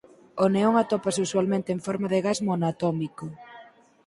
O neon atópase usualmente en forma de gas monoatómico.